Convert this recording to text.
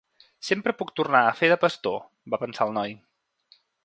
Sempre puc tornar a fer de pastor, va pensar el noi.